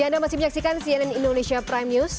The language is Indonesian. ya anda masih menyaksikan cnn indonesia prime news